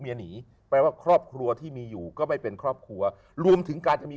หนีแปลว่าครอบครัวที่มีอยู่ก็ไม่เป็นครอบครัวรวมถึงการจะมี